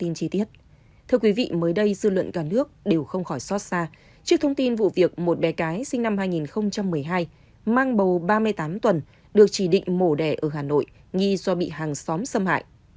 những thông tin vụ việc một bé cái sinh năm hai nghìn một mươi hai mang bầu ba mươi tám tuần được chỉ định mổ đẻ ở hà nội nghi do bị hàng xóm xâm hại